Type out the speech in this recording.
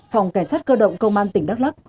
phòng cảnh sát cơ động công an tỉnh đắk lắc